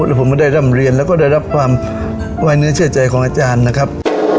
แล้วผมไม่ได้ร่ำเรียนแล้วก็ได้รับความไว้เนื้อเชื่อใจของอาจารย์นะครับ